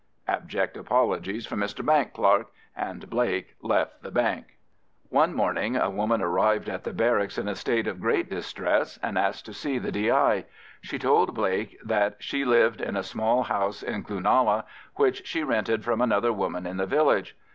Abject apologies from Mr Bank Clerk, and Blake left the bank. One morning a woman arrived at the barracks in a state of great distress and asked to see the D.I. She told Blake that she lived in a small house in Cloonalla, which she rented from another woman in the village.